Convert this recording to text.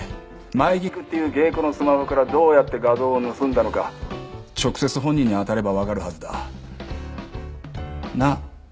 舞菊っていう芸妓のスマホからどうやって画像を盗んだのか直接本人にあたればわかるはずだ。なあ？